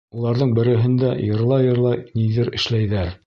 Уларҙың береһендә йырлай-йырлай ниҙер эшләйҙәр.